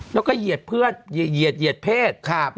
แล้วก็เหยียดเพื่อนเหยียดเพศ